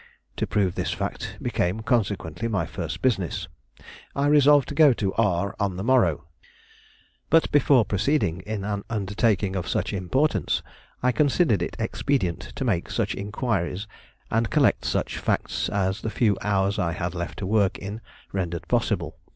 To prove this fact, became, consequently, my first business. I resolved to go to R on the morrow. But before proceeding in an undertaking of such importance, I considered it expedient to make such inquiries and collect such facts as the few hours I had left to work in rendered possible.